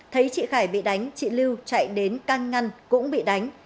thấy chị khải bị đánh chị lưu chạy đến can ngăn cũng bị đánh